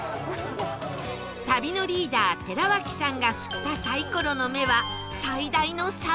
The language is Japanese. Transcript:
旅のリーダー寺脇さんが振ったサイコロの目は最大の「３」